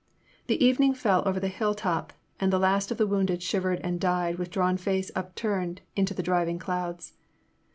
The evening fell over the hilltop, and the last of the wounded shivered and died with drawn face upturned to the driving clouds.